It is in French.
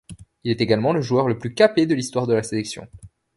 Il est également le joueur le plus capé de l'histoire de la sélection.